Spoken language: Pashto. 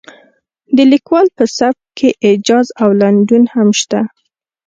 د لیکوال په سبک کې ایجاز او لنډون هم شته.